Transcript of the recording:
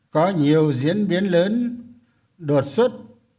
có nhiều diễn biến lớn đột xuất